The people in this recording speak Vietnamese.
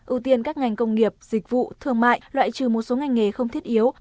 ưu tiên các ngành công nghiệp dịch vụ thương mại loại trừ một số ngành nghề không thiết yếu